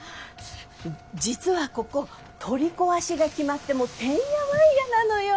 実はここ取り壊しが決まってもうてんやわんやなのよ。